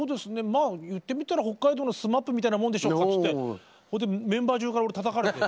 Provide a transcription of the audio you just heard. まあ言ってみたら北海道のＳＭＡＰみたいなものでしょうとかって言ってそれでメンバー中から俺たたかれて。